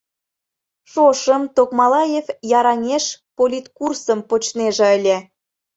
Шошым Токмалаев Яраҥеш политкурсым почнеже ыле.